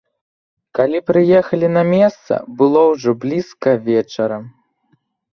Калі прыехалі на месца, было ўжо блізка вечара.